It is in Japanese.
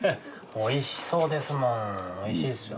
おいしそうですもんおいしいですよ。